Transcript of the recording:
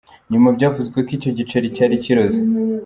Nyuma byavuzwe ko icyo giceri cyari kiroze.